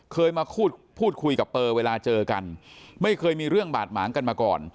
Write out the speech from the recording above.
เคยมาพูดพูดคุยกับเปอร์เวลาเจอกันไม่เคยมีเรื่องบาดหมางกันมาก่อน